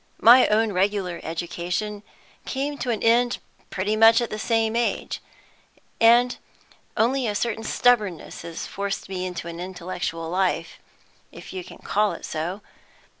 My own regular education came to an end pretty much at the same age, and only a certain stubbornness has forced me into an intellectual life, if you can call it so.